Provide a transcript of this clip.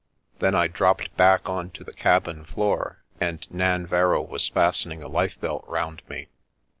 Then I dropped back on to the cabin floor, and Nanverrow was fastening a lifebelt round me.